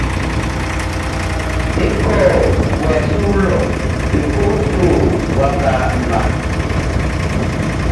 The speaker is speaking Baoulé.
E kɔ guaʼn su lɔ e ko to waka mma.